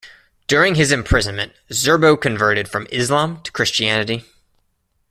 During his imprisonment, Zerbo converted from Islam to Christianity.